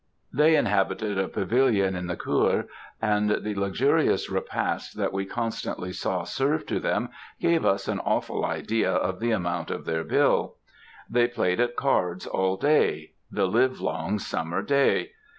They inhabited a pavilion in the cour, and the luxurious repasts that we constantly saw served to them gave us an awful idea of the amount of their bill. They played at cards all day the live long summer day!